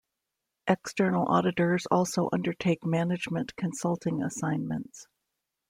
External auditors also undertake management consulting assignments.